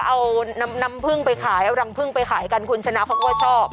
เอาน้ำพึ่งไปขายเอารังพึ่งไปขายกันคุณชนะเขาก็ชอบ